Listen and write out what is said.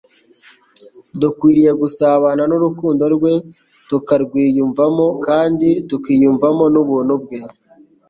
Dukwiriye gusabana n'urukundo rwe tukarwiyumvamo, kandi tukiyumvamo n'ubuntu bwe.